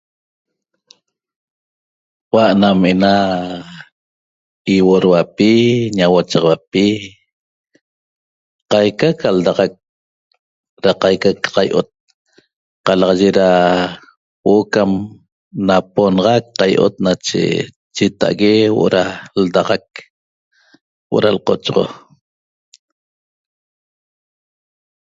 Hua' nam ena ihuodeuapi ñauochaxauapi qaica ca ldaxac da qaica ca qai'ot qalaxaye da huo'o cam naponaxac qai'ot nache chita'ague huo'o da ldaxac huo'o lqochoxo